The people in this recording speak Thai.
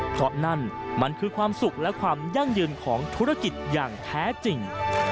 เพราะนั่นมันคือความสุขและความยั่งยืนของธุรกิจอย่างแท้จริง